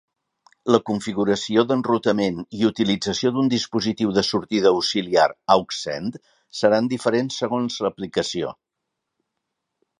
La configuració d'enrutament i utilització d'un dispositiu de sortida auxiliar "aux-send" seran diferents segons l'aplicació.